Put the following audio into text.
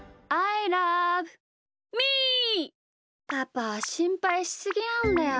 パパしんぱいしすぎなんだよ。